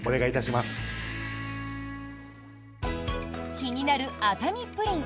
気になる熱海プリン。